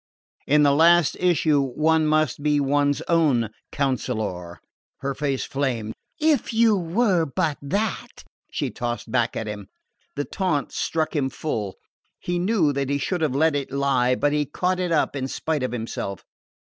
"In the last issue one must be one's own counsellor." Her face flamed. "If you were but that!" she tossed back at him. The taunt struck him full. He knew that he should have let it lie; but he caught it up in spite of himself.